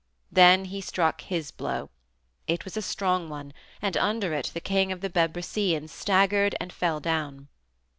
Then he struck his blow. It was a strong one, and under it the king of the Bebrycians staggered and fell down.